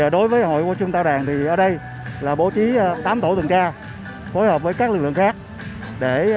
đối với hội hoa xuân tao đàn thì ở đây là bố trí tám tổ tuần tra phối hợp với các lực lượng khác để